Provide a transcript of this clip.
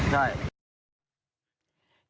ใช่